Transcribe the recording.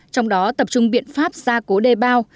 trong đó tập trung biện pháp ra cố đề bao